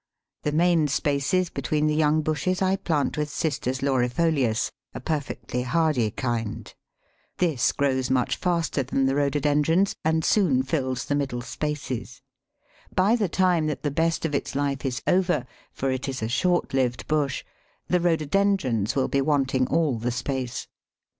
The main spaces between the young bushes I plant with Cistus laurifolius, a perfectly hardy kind; this grows much faster than the Rhododendrons, and soon fills the middle spaces; by the time that the best of its life is over for it is a short lived bush the Rhododendrons will be wanting all the space.